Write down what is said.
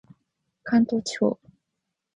関東地方